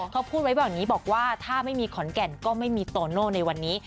เขาพูดไว้แบบนี้บอกว่าถ้าไม่มีขอนแก่นก็ไม่มีโตโน่ในวันนี้